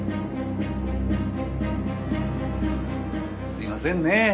すいませんねえ